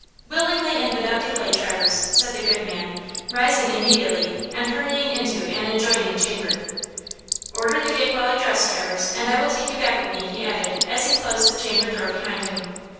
"Willingly and without delay, Traverse," said the good man, rising immediately and hurrying into an adjoining chamber. "Order the gig while I dress, Traverse, and I will take you back with me," he added, as he closed the chamber door behind him.